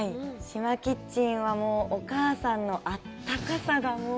島キッチンはお母さんのあったかさがもう。